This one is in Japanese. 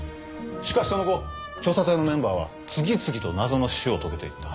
しかしその後調査隊のメンバーは次々と謎の死を遂げていった。